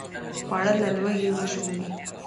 خوړل له لوږې وژغوري